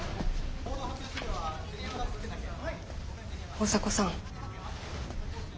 大迫さん